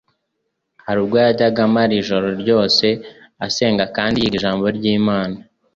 Hari ubwo yajyaga amara ijoro ryose asenga kandi yiga Ijambo ry'Imana,